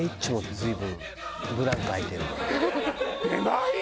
随分。